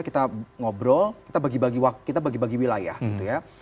kita ngobrol kita bagi bagi wilayah gitu ya